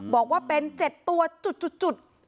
บอกว่าเป็น๗ตัวจุด